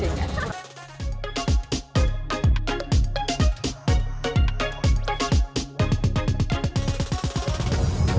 terus kita bisa lihat